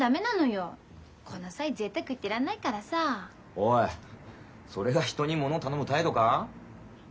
おいそれが人にもの頼む態度か？